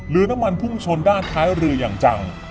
น้ำมันพุ่งชนด้านท้ายเรืออย่างจัง